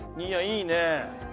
いやいいね。